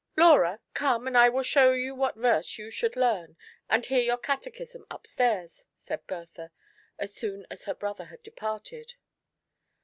" Laura, come and I will show you what verse you should learn, and hear your Catechism up stairs," said Bertha, as soon as her brother had departed.